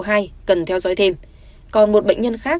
cần theo dõi thêm còn một bệnh nhân khác